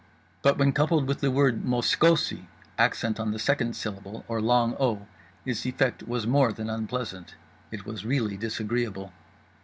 But when coupled with the word "moskosi," accent on the second syllable or long o, its effect was more than unpleasant—it was really disagreeable.